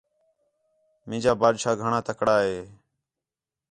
مینجا بادشاہ گھݨاں تَکڑا ہِے